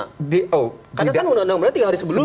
karena kan undang undang berarti tiga hari sebelumnya